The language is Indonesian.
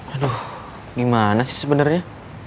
aduh gimana sih sebenernya